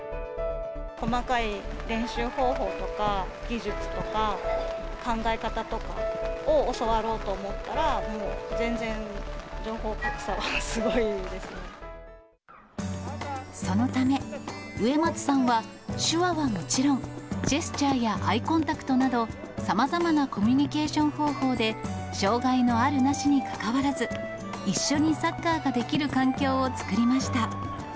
細かい練習方法とか、技術とか、考え方とかを教わろうと思ったら、もう全然、そのため、植松さんは手話はもちろん、ジェスチャーやアイコンタクトなど、さまざまなコミュニケーション方法で、障がいのあるなしにかかわらず、一緒にサッカーができる環境を作りました。